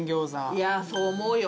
いやそう思うよ。